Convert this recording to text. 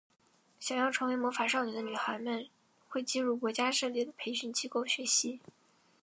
想要成为魔法少女的女孩们会进入国家设立的培训机构学习。